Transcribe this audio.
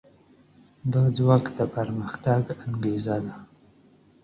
دا ځواک د پرمختګ انګېزه ده.